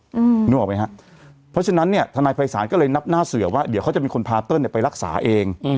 อืมนึกออกไหมฮะเพราะฉะนั้นเนี่ยทนายภัยศาลก็เลยนับหน้าเสือว่าเดี๋ยวเขาจะเป็นคนพาเติ้ลเนี่ยไปรักษาเองอืม